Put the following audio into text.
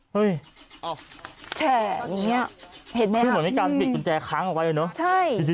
เฮ้ยอ้อแฉะอย่างเงี้ยเห็นไหมครับคือเหมือนมีการบิดกุญแจค้างออกไว้แล้วเนอะ